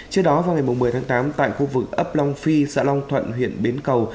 trước đó vào ngày một mươi tháng tám tại khu vực ấp long phi xã long thuận huyện bến cầu